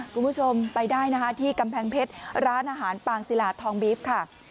คุณผู้ชมไปได้นะคะที่กำแพงเพชรร้านอาหารปางศิลาทองบีฟค่ะ